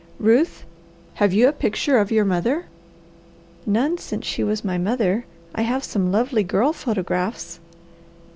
Ruth, have you a picture of your mother?" "None since she was my mother. I have some lovely girl photographs."